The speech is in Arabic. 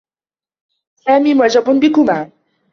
سامي معجب بكما.